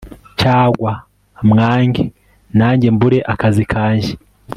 Cyagwa mwange najye mbure akazi kajye